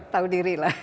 tahu diri lah